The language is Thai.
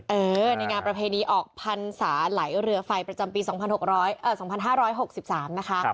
เออในงานประเภทนี้ออกพันธุ์สาหร่ายเรือไฟประจำปี๒๕๖๓นะคะ